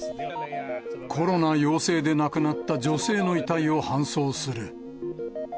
コロナ陽性で亡くなった女性の遺体を搬送する。